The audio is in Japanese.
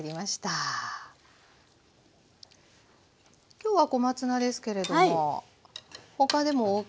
今日は小松菜ですけれども他でもいいんですか？